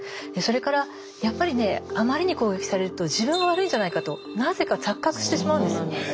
それからやっぱりねあまりに攻撃されると自分が悪いんじゃないかとなぜか錯覚してしまうんです。